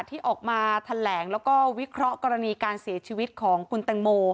ที่ออกมาแถลงแล้วก็วิเคราะห์กรณีการเสียชีวิตของคุณแตงโม